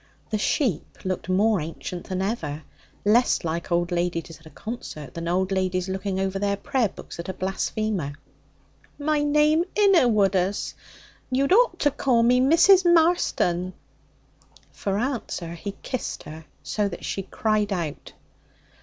The sheep looked more ancient than ever, less like old ladies at a concert than old ladies looking over their prayer books at a blasphemer. 'My name inna Woodus. You'd ought to call me Mrs. Marston.' For answer, he kissed her so that she cried out.